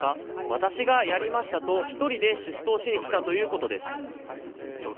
私がやりましたと１人で出頭しにきたということです